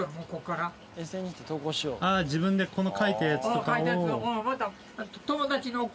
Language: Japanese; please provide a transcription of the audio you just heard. ああ自分でこの描いたやつとかを。